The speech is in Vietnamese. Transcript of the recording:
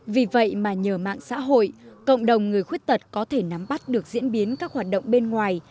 vì vậy mà nhờ mạng xã hội cộng đồng người khuyết tật có thể nắm bắt được diễn biến các hoạt động bên ngoài